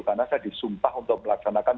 karena saya disumpah untuk melaksanakan